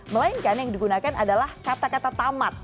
melainkan yang digunakan adalah kata kata tamat